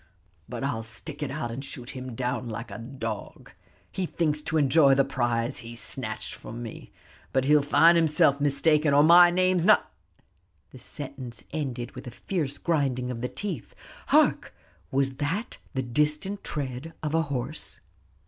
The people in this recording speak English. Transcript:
But I'll stick it out, and shoot him down like a dog. He thinks to enjoy the prize he snatched from me, but he'll find himself mistaken, or my name's n " The sentence ended with a fierce grinding of the teeth. Hark! was that the distant tread of a horse?